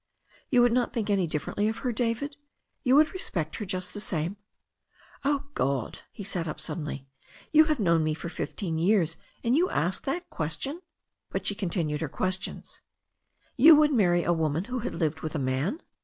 "You would not think any differently of her, David? You would respect her just the same?" THE STORY OF A NEW ZEALAND RIVER 331 "Oh, God !" He sat up suddenly. "You have known me for fifteen years, and you ask that question!" But she continued her questions. 'You would marry a woman who had lived with a man?"